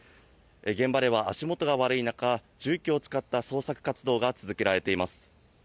現場では足元が悪い中、重機を使った捜索活動が続けられています。